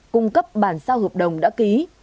cung cấp bản sao hợp đồng đã ký